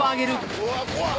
うわ怖っ！